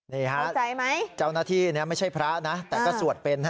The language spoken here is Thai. นี่ฮะเจ้าหน้าที่ไม่ใช่พระนะแต่ก็สวดเป็นฮะ